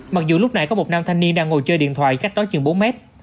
mặc dù lúc nãy có một nam thanh niên đang ngồi chơi điện thoại cách đó chừng bốn mét